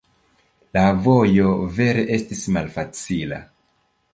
La vojo vere estis malfacila.